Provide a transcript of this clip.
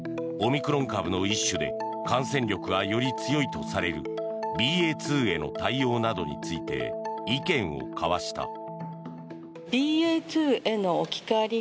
オミクロン株の一種で感染力がより強いとされるＢＡ．２への対応などについて意見を交わした。